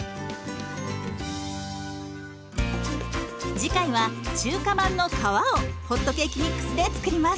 次回は中華まんの皮をホットケーキミックスで作ります。